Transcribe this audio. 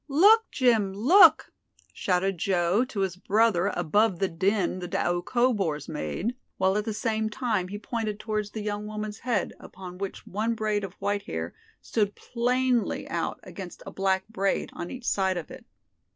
"Look, Jim, look!" shouted Joe to his brother above the din the Doukhobors made, while at the same time he pointed towards the young woman's head, upon which one braid of white hair stood plainly out against a black braid on each side of it.